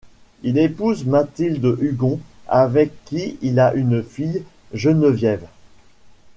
Il épouse Mathilde Hugon, avec qui il a une fille, Geneviève.